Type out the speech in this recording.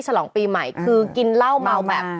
ฉลองปีใหม่คือกินเหล้าเมาแบบ